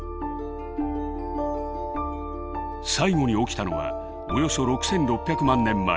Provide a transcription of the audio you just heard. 最後に起きたのはおよそ６，６００万年前。